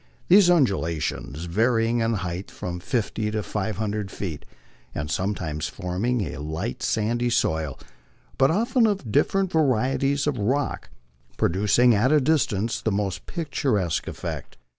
These undulations, varying in height from fifty to five hundred feet, are sometimes formed of a light sandy soil, but often of dif ferent varieties of rock, producing at a distance the most picturesque effect.